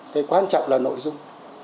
cái quan trọng là nội dung